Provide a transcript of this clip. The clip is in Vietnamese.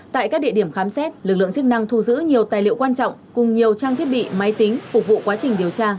tại các địa điểm khám xét lực lượng chức năng thu giữ nhiều tài liệu quan trọng cùng nhiều trang thiết bị máy tính phục vụ quá trình điều tra